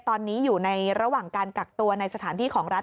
ตอนนี้อยู่ในระหว่างการกักตัวในสถานที่ของรัฐ